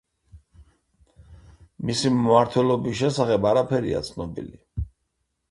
მისი მმართველობის შესახებ არაფერია ცნობილი.